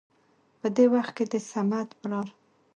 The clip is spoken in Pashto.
په دې وخت کې د صمد پلار